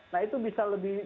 nah itu bisa lebih